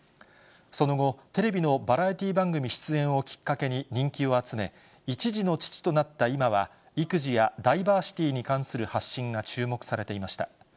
その後、テレビのバラエティー番組出演をきっかけに人気を集め、１児の父となった今は、育児やダイバーシティに関する発信が注目されていました。